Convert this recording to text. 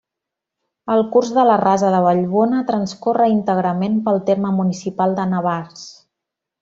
El curs de la Rasa de Vallbona transcorre íntegrament pel terme municipal de Navars.